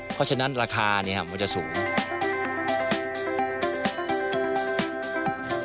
เพราะฉะนั้นราคามันจะสูง